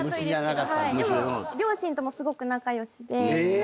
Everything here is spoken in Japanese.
でも両親ともすごく仲良しで。